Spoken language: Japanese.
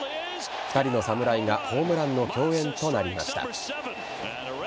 ２人の侍がホームランの共演となりました。